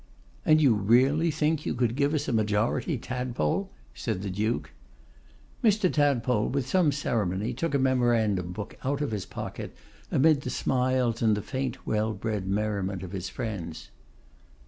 'And you really think you could give us a majority, Tadpole?' said the Duke. Mr. Tadpole, with some ceremony, took a memorandum book out of his pocket, amid the smiles and the faint well bred merriment of his friends.